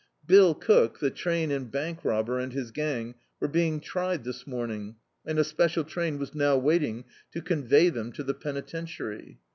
Bill Cook, the train and bank robber, and his gang, were being tried this morning, and a special train was now waiting to oxivey them to the penitentiary.